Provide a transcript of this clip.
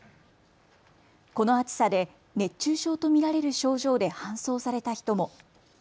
この暑さで熱中症と見られる症状で搬送された人も。